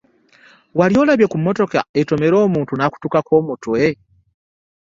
Wali olabye ku mmotoka etomera omuntu nakutukako omutwe?